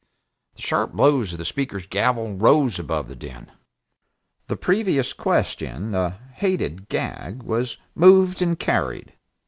The sharp blows of the Speaker's gavel rose above the din. The "previous question," that hated gag, was moved and carried.